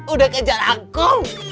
udah kejar aku